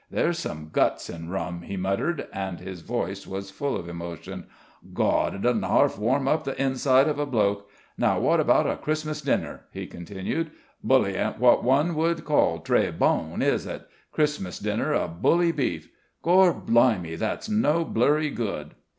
"There's some guts in rum," he muttered, and his voice was full of emotion. "Gawd! it doesn't 'arf warm up the inside of a bloke. Now, wot about a Christmas dinner?" he continued. "Bully ain't wot one would call très bon, is it? Christmas dinner of bully beef! Gor'blimey! that's no blurry good!"